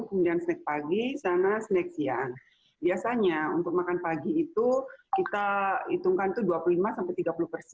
kemudian sepuluh lima belas persen itu untuk snack pagi sama snack siang